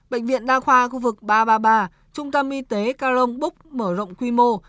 bệnh viện đa khoa khu vực ba trăm ba mươi ba trung tâm y tế karong búc mở rộng quy mô